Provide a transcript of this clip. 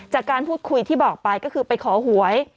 จากการพูดคุยที่บอกไปก็คือไปขอหวย